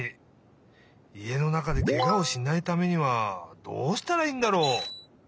家の中でケガをしないためにはどうしたらいいんだろう？